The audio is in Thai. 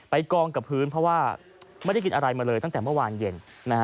กองกับพื้นเพราะว่าไม่ได้กินอะไรมาเลยตั้งแต่เมื่อวานเย็น